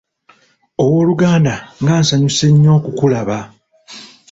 Ow'oluganda nga nsanyuse nnyo okukulaba.